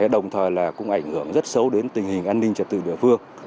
đồng thời là cũng ảnh hưởng rất xấu đến tình hình an ninh trật tự địa phương